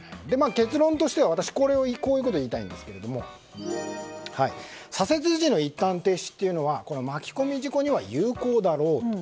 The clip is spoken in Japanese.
結論としては私、こういうことを言いたいんですが左折時の一旦停止というのは巻き込み事故には有効だろうと。